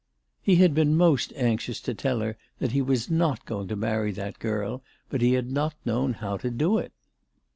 He had been most anxious to tell her that he was not going to marry that girl, but he had not known how to do it.